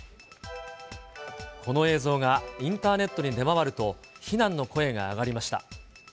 この映像がインターネットに出回ると、非難の声が上がりました。